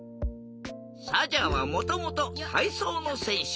サジャはもともとたいそうのせんしゅ。